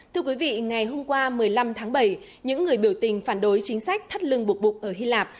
thưa quý vị ngày hôm qua một mươi năm tháng bảy những người biểu tình phản đối chính sách thắt lưng buộc bụng ở hy lạp